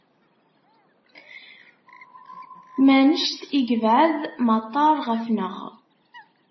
Mennect i yebɛed maṭar ɣefneɣ.